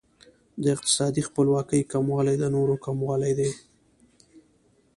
د اقتصادي خپلواکۍ کموالی د نورو کموالی دی.